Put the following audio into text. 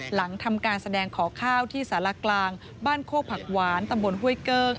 หลังทำการแสดงขอข้าวที่สารกลางบ้านโคกผักหวานตำบลห้วยเกิ้ง